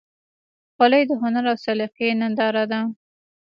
خولۍ د هنر او سلیقې ننداره ده.